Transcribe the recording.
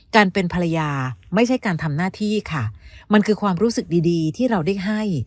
การเป็นภรรยาไม่ใช่การทำหน้าที่ค่ะมันคือความรู้สึกดีดีที่เราได้ให้